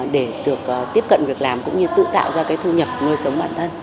để được tiếp cận việc làm cũng như tự tạo ra thu nhập nơi sống bản thân